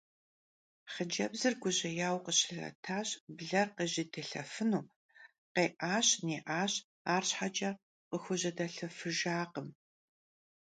Xhıcebzır gujêyaue khışılhetri bler khıjedilhefıjjınu khê'aş - nê'aş, arşheç'e khıxujedelhefıjjakhım.